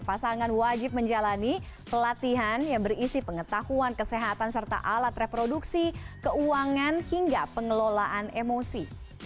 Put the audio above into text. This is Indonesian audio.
pasangan wajib menjalani pelatihan yang berisi pengetahuan kesehatan serta alat reproduksi keuangan hingga pengelolaan emosi